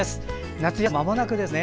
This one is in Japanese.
夏休みも、まもなくですね。